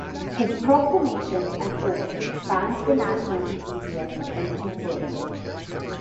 His proclamations and odes fanned the national enthusiasm into flame.